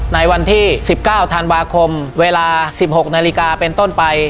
ในวันที่สิบเก้าธานบาคมเวลาสิบหกนาฬิกาเป็นต้นไป